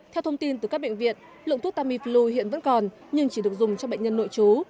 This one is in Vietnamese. theo thông tin từ các bệnh viện lượng thuốc tamiflu hiện vẫn còn nhưng chỉ được dùng cho bệnh nhân nội trú